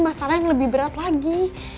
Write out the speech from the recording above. masalah yang lebih berat lagi